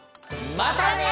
またね！